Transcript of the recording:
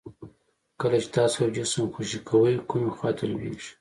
کله چې تاسو یو جسم خوشې کوئ کومې خواته لویږي؟